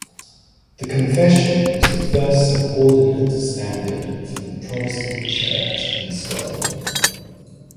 The Confession was the first subordinate standard for the Protestant church in Scotland.